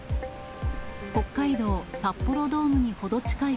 北海道札幌ドームに程近い